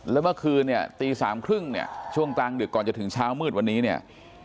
แล้วเมื่อคืนเนี่ยตี๓๓๐เนี่ยช่วงกลางดึกก่อนจะถึงเช้ามืดวันนี้เนี่ย